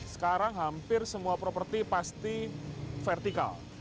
sekarang hampir semua properti pasti vertikal